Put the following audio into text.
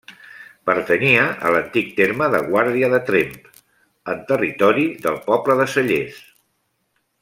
Pertanyia a l'antic terme de Guàrdia de Tremp, en territori del poble de Cellers.